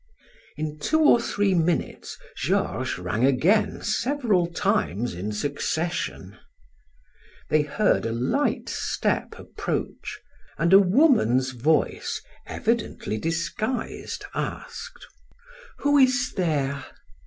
In two or three minutes Georges rang again several times in succession. They heard a light step approach, and a woman's voice, evidently disguised, asked: "Who is there?"